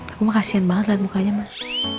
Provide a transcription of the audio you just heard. aku mah kasian banget liat mukanya mas